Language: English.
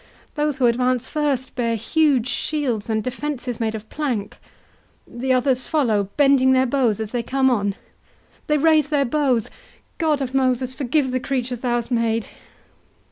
—Those who advance first bear huge shields and defences made of plank; the others follow, bending their bows as they come on.—They raise their bows!—God of Moses, forgive the creatures thou hast made!"